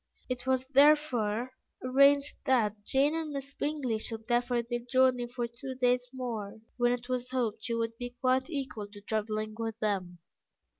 It was therefore arranged that Jane and Miss Bingley should defer their journey for two days more, when it was hoped she would be quite equal to travelling with them.